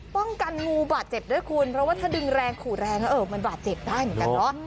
ป้องกันงูบาดเจ็บด้วยคุณเพราะว่าถ้าดึงแรงขู่แรงแล้วเออมันบาดเจ็บได้เหมือนกันเนาะ